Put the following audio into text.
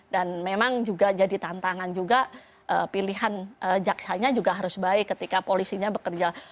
dan memang juga jadi tantangan juga pilihan jaksanya juga harus baik ketika polisinya bekerja